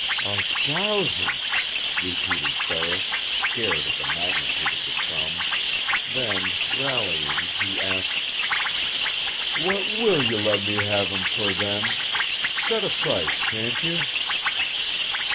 "A thousan'?" repeated Ferris, scared at the magnitude of the sum then, rallying, he asked: "What WILL you let me have him fer, then? Set a price, can't you?"